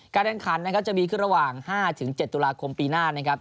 แรงขันนะครับจะมีขึ้นระหว่าง๕๗ตุลาคมปีหน้านะครับ